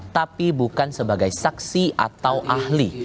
tapi bukan sebagai saksi atau ahli